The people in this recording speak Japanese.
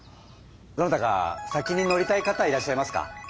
どなたか先に乗りたい方いらっしゃいますか？